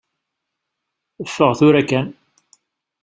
Ffeɣ tura kan.